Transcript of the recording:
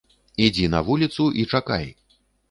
Ідзі на вуліцу і чакай!